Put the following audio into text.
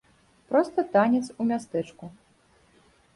Проста танец у мястэчку.